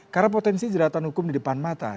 karena potensi jeratan hukum di depan mata